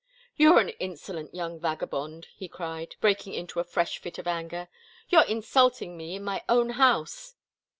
"You're an insolent young vagabond!" he cried, breaking into a fresh fit of anger. "You're insulting me in my own house."